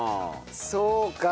そうか。